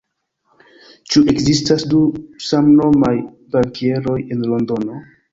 Ĉu ekzistas du samnomaj bankieroj en Londono?